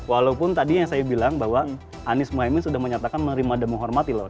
walaupun tadi yang saya bilang bahwa anies mohaimin sudah menyatakan menerima dan menghormati loh